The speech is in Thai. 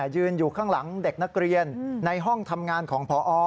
ยืนอยู่ข้างหลังเด็กนักเรียนในห้องทำงานของพอ